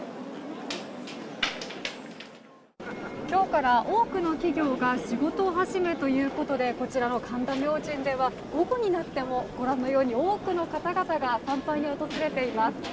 今日から多くの企業が仕事始めということでこちらの神田明神では午後になっても、ご覧のように多くの方々が参拝に訪れています。